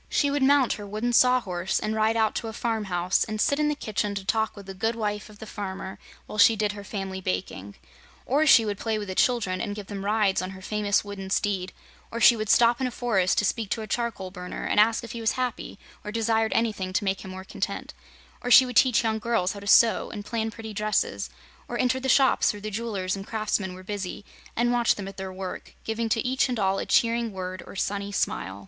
She would mount her Wooden Sawhorse, and ride out to a farm house and sit in the kitchen to talk with the good wife of the farmer while she did her family baking; or she would play with the children and give them rides on her famous wooden steed; or she would stop in a forest to speak to a charcoal burner and ask if he was happy or desired anything to make him more content; or she would teach young girls how to sew and plan pretty dresses, or enter the shops where the jewelers and craftsmen were busy and watch them at their work, giving to each and all a cheering word or sunny smile.